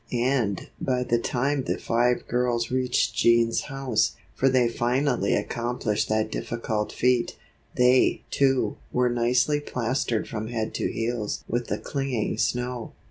And, by the time the five girls reached Jean's house, for they finally accomplished that difficult feat, they, too, were nicely plastered from head to heels with the clinging snow.